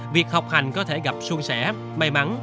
việc học hành có thể gặp xuân sẻ may mắn